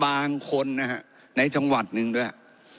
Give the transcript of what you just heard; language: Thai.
บางคนนะฮะในจังหวัดหนึ่งด้วย